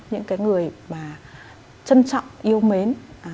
những cái người mà trân trọng yêu mến